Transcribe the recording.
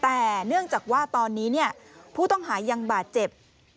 แต่เนื่องจากว่าตอนนี้ผู้ต้องหายังบาดเจ็บ